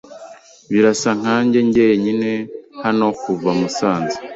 Birasa nkanjye jyenyine hano kuva Musanze.